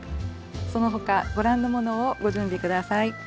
その他ご覧のものをご準備下さい。